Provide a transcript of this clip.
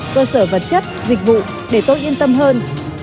cơ sở vật chất dịch vụ để tôi yên tâm hơn